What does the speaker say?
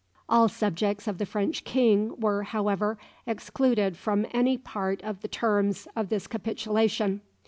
All subjects of the French King were, however, excluded from any part of the terms of this capitulation.